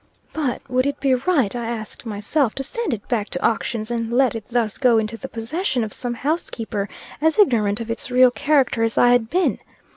But, would it be right, I asked myself, to send it back to auctions and let it thus go into the possession of some housekeeper, as ignorant of its real character as I had been?